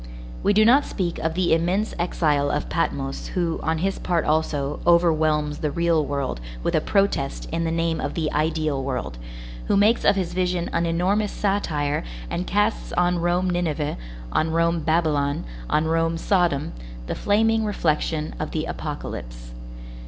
We do not speak of the immense exile of Patmos who, on his part also, overwhelms the real world with a protest in the name of the ideal world, who makes of his vision an enormous satire and casts on Rome Nineveh, on Rome Babylon, on Rome Sodom, the flaming reflection of the Apocalypse.